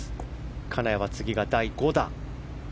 金谷は、次が第５打。